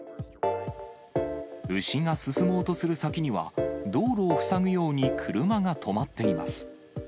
牛が進もうとする先には、道路を塞ぐように車が止まっています。